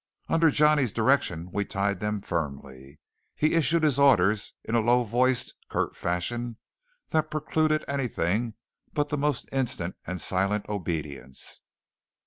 Under Johnny's direction we tied them firmly. He issued his orders in a low voiced, curt fashion that precluded anything but the most instant and silent obedience.